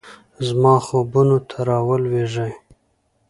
زما خوبونو ته راولیږئ